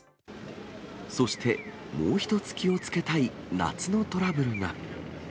そして、もう一つ気をつけたい夏のトラブルが。